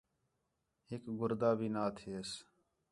ہِک گُردا بھی نا تھیس